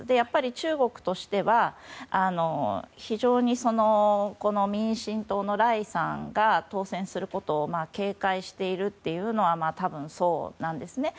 中国としては非常に民進党のライさんが当選することを警戒しているのは多分そうなんですね。